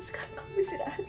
sekarang kamu istirahat ya